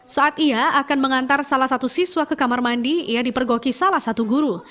saat ia akan mengantar salah satu siswa ke kamar mandi ia dipergoki salah satu guru